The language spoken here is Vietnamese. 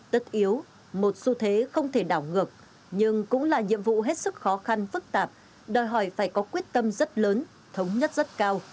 tất yếu một xu thế không thể đảo ngược nhưng cũng là nhiệm vụ hết sức khó khăn phức tạp đòi hỏi phải có quyết tâm rất lớn thống nhất rất cao